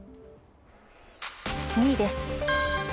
２位です。